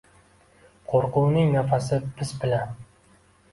Qo’rquvning nafasi biz bilan